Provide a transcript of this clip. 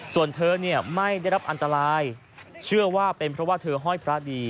ส่วนเธอเนี่ยไม่ได้รับอันตรายเชื่อว่าเป็นเพราะว่าเธอห้อยพระดี